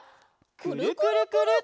「くるくるくるっ」。